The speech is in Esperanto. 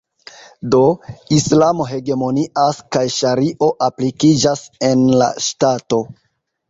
Do, Islamo hegemonias kaj Ŝario aplikiĝas en la ŝtato.